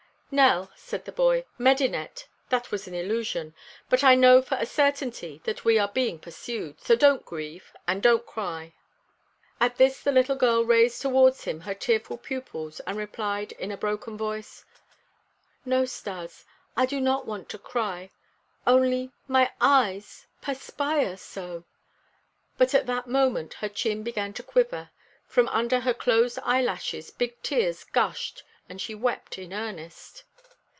"Nell," said the boy, "Medinet that was an illusion, but I know for a certainty that we are being pursued; so don't grieve, and don't cry." At this the little girl raised towards him her tearful pupils and replied in a broken voice: "No, Stas I do not want to cry only my eyes perspire so." But at that moment her chin began to quiver; from under her closed eyelashes big tears gushed and she wept in earnest.